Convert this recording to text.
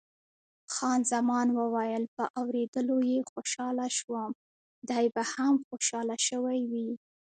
خان زمان وویل، په اورېدلو یې خوشاله شوم، دی به هم خوشاله شوی وي.